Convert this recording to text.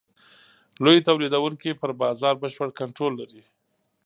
لوی تولیدوونکي پر بازار بشپړ کنټرول لري.